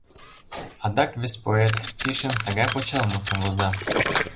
Адак вес поэт, Тишин, тыгай почеламутым воза: